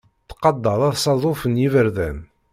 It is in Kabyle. Ttqadar asaḍuf n yiberdan.